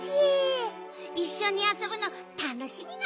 いっしょにあそぶのたのしみなのよね。